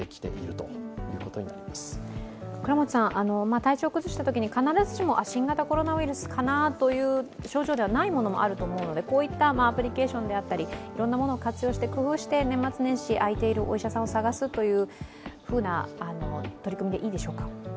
体調を崩したときに、必ずしも新型コロナウイルスかなという症状ではないものもあると思うので、こういうアプリであったりいろんなものを活用して工夫して年末年始、開いているお医者さんを探すというふうな取り組みでいいでしょうか？